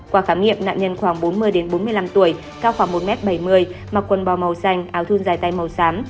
qua khám nghiệm nạn nhân khoảng bốn mươi bốn mươi năm tuổi cao khoảng một m bảy mươi mặc quần bò màu xanh áo thun dài tay màu xám